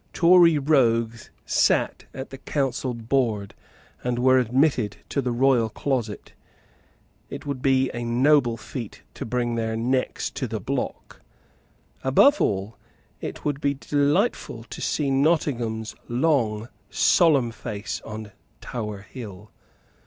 Tory rogues sate at the council board, and were admitted to the royal closet. It would be a noble feat to bring their necks to the block. Above all, it would be delightful to see Nottingham's long solemn face on Tower Hill.